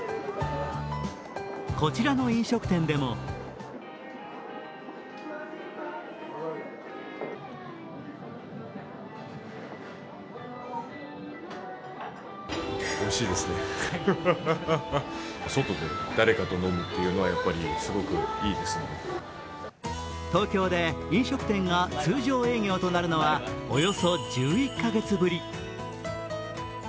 こちらの飲食店でも東京で飲食店が通常営業となるのはおよそ１１カ月ぶり。